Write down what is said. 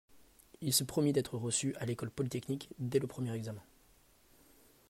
Il se promit d'être reçu à L'École Polytechnique, dès le premier examen.